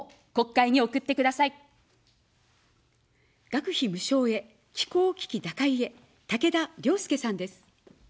学費無償へ、気候危機打開へ、たけだ良介さんです。